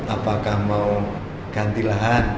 apakah mau ganti lahan